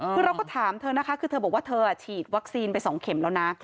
เพราะเราก็ถามเธอนะคะเธอบอกว่าเธ็อฉีดวัคซีนไปสองเข็มแล้วนะ